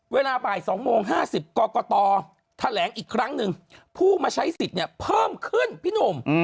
เวลาบ่าย๒โมง๕๐กรกตแถลงอีกครั้งหนึ่งผู้มาใช้สิทธิ์เนี่ยเพิ่มขึ้นพี่หนุ่ม